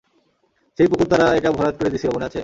সেই পুকুর তারা এটা ভরাট করে দিছিল, মনে আছে?